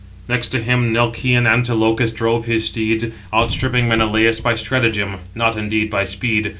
Next to him Nelcian Antilochus drove his steeds, outstripping Menelaus by stratagem, not indeed by speed.